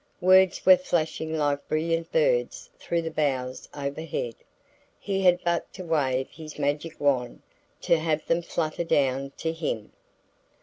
Words were flashing like brilliant birds through the boughs overhead; he had but to wave his magic wand to have them flutter down to him.